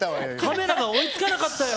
カメラが追いつかなかったよ。